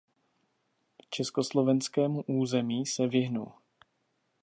Československému území se vyhnul.